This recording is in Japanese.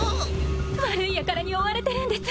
悪いやからに追われてるんです。